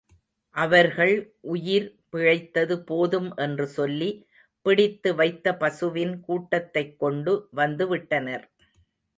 அவர்கள் உயிர் பிழைத்தது போதும் என்று சொல்லி, பிடித்து வைத்த பசுவின் கூட்டத்தைக் கொண்டு வந்து விட்டனர்.